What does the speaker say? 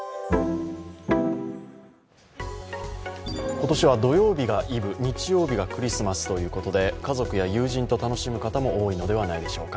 今年は土曜日がイブ、日曜日がクリスマスということで家族や友人と楽しむ方も多いのではないでしょうか。